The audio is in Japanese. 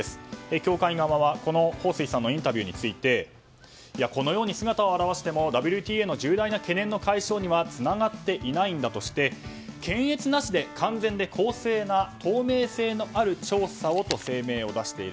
協会側はホウ・スイさんのインタビューについてこのように姿を現してもＷＴＡの重大な懸念の解消にはつながっていないんだとして検閲なしで完全で公正な透明性のある調査をと声明を出している。